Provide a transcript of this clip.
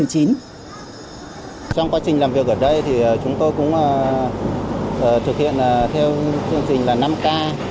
trong quá trình làm việc ở đây chúng tôi cũng thực hiện theo chương trình năm k